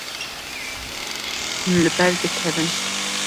Hûn li ber dikevin.